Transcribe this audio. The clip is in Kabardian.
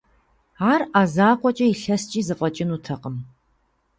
Ар Ӏэ закъуэкӀэ илъэскӀи зэфӀэкӀынутэкъым.